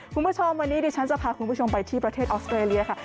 คุณผู้ชมวันนี้ดิฉันจะพาคุณผู้ชมไปที่ประเทศออสเตรเลียค่ะ